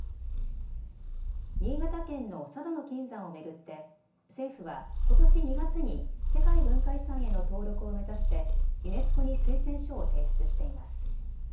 新潟県の佐渡島の金山を巡って政府はことし２月に世界文化遺産への登録を目指してユネスコに推薦書を提出しています。